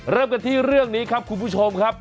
เริ่มกันที่เรื่องนี้ครับคุณผู้ชมครับ